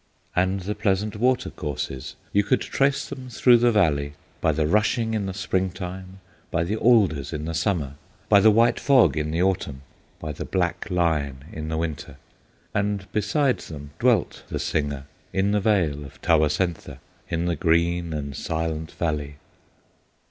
"And the pleasant water courses, You could trace them through the valley, By the rushing in the Spring time, By the alders in the Summer, By the white fog in the Autumn, By the black line in the Winter; And beside them dwelt the singer, In the vale of Tawasentha, In the green and silent valley.